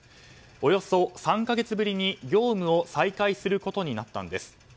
およそ３か月ぶりに業務を再開することになったんです。